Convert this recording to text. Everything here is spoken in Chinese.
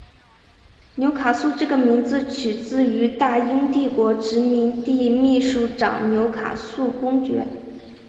纽卡素这个名字取自于大英帝国殖民地秘书长纽卡素公爵。